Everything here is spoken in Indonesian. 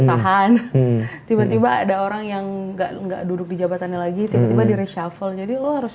tahan bintiba ada orang yang enggak enggak duduk di jabatannya lagi tidak ada reshavel jadi harus